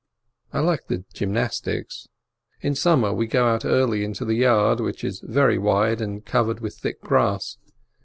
I like the gymnastics. In summer we go out early into the yard, which is very wide and covered with thick grass.